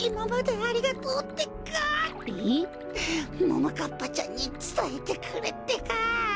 ももかっぱちゃんにつたえてくれってか。